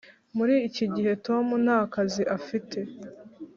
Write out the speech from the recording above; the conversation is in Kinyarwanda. muri iki gihe tom nta kazi afite.